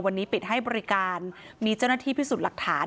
วันนี้ปิดให้บริการมีเจ้าหน้าที่พิสูจน์หลักฐาน